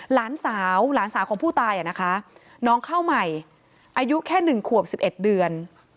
หลานสาวหลานสาวของผู้ตายอะนะคะน้องเข้าใหม่อายุแค่หนึ่งขวบสิบเอ็ดเดือน